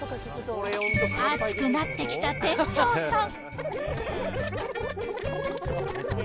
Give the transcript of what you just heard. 熱くなってきた店長さん。